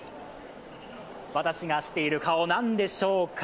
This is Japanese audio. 私がしている顔、何でしょうか？